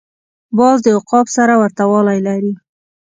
باز د عقاب سره ورته والی لري